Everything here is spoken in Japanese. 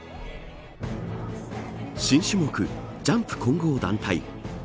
新種目ジャンプ混合団体。